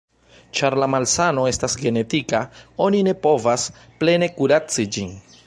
Ĉar la malsano estas genetika, oni ne povas plene kuraci ĝin.